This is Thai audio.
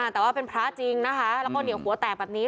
แต่ว่าเป็นพระจริงนะคะแล้วก็เดี๋ยวหัวแตกแบบนี้